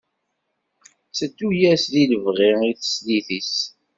Tteddu-yas di lebɣi i teslit-is.